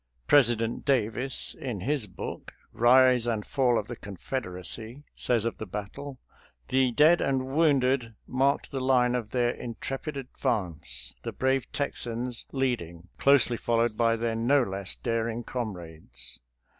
President Davis, in his book, " Kise and Fall of the Confederacy," says of the battle :" The dead and wounded marked the line of their in trepid advance, the brave Texans leading, closely followed by their no less daring comrades."